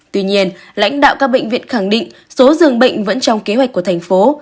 tuy nhiên lãnh đạo các bệnh viện khẳng định số dường bệnh vẫn trong kế hoạch của thành phố